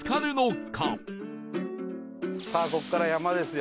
ここから山ですよ。